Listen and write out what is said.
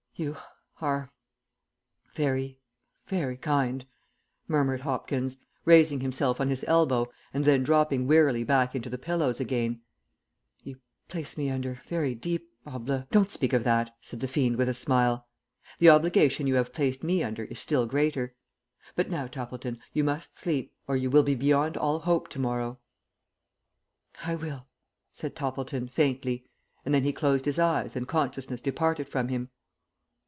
"You are very very kind," murmured Hopkins, raising himself on his elbow and then dropping wearily back into the pillows again. "You place me under very deep obli " "Don't speak of that," said the fiend with a smile. "The obligation you have placed me under is still greater. But now, Toppleton, you must sleep, or you will be beyond all hope to morrow." "I will," said Toppleton, faintly, and then he closed his eyes and consciousness departed from him.